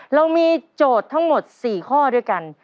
เรามีโจทย์ทั้งหมด๔ข้อด้วยกัน